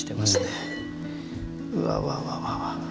うわわわわ。